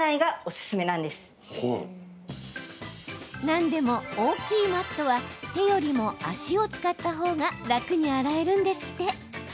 なんでも、大きいマットは手よりも足を使ったほうが楽に洗えるんですって。